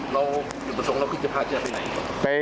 เราอยู่ตรงเราคิดจะพาเจ้าไปไหน